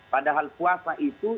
padahal puasa itu